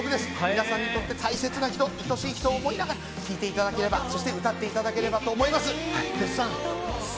皆さんにとって大切な人愛しい人を思って聴いていただければそして歌っていただければと思います。